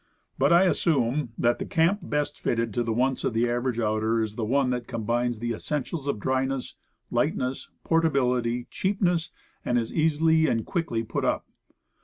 But, I assume that the camp best fitted to the wants of the average outer is the one that combines the essentials of dryness, lightness, portability, cheapness, and is easily and quickly put up.